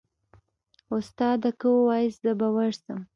استاده که واياست زه به ورسم.